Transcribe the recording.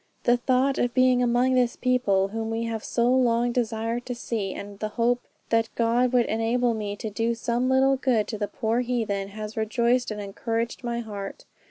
The thought of being among this people whom we have so long desired to see, and the hope that God would enable me to do some little good to the poor heathen, has rejoiced and encouraged my heart.